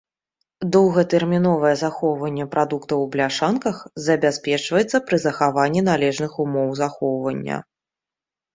Доўгатэрміновае захоўванне прадуктаў у бляшанках забяспечваецца пры захаванні належных умоў захоўвання.